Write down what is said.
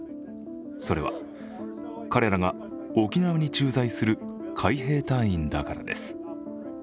それは彼らが沖縄に駐在する海兵隊員だからです。